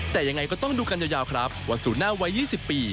แต่ยังไงก็ต้องดูกันยาวครับว่าศูนย์หน้าวัย๒๐ปี